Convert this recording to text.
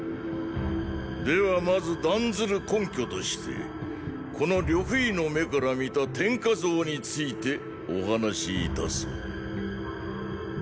ではまず断ずる根拠としてこの呂不韋の目から見た“天下”像についてお話しいたそう。